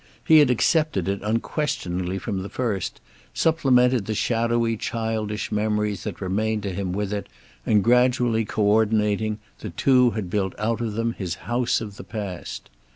He had accepted it unquestioningly from the first, supplemented the shadowy childish memories that remained to him with it, and gradually co ordinating the two had built out of them his house of the past.